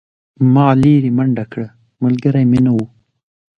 ما لیرې منډه کړه ملګری مې نه و.